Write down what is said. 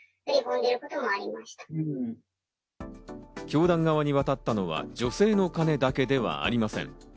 教団側に渡ったのは女性のお金だけではありません。